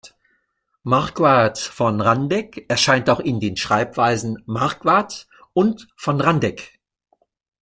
Marquard von Randeck erscheint auch in den Schreibweisen "Markwart" und von "Randegg".